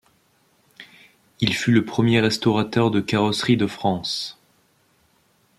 Il fut le premier restaurateur de carrosserie de France.